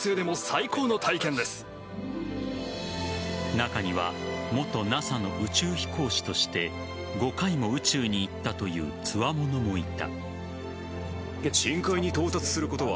中には元ＮＡＳＡの宇宙飛行士として５回も宇宙に行ったというつわものもいた。